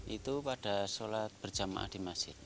itu pada sholat berjamaah di masjid